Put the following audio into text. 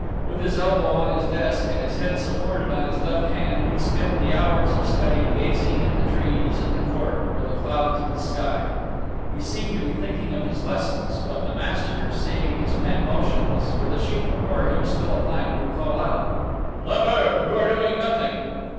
With his elbow on his desk and his head supported on his left hand, he spent the hours of study gazing at the trees in the court or the clouds in the sky; he seemed to be thinking of his lessons; but the master, seeing his pen motionless, or the sheet before him still a blank, would call out: "Lambert, you are doing nothing!"